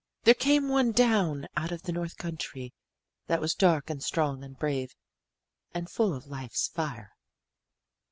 "There came one down out of the north country that was dark and strong and brave and full of life's fire.